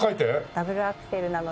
ダブルアクセルなので。